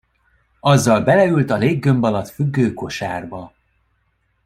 Azzal beleült a léggömb alatt függő kosárba.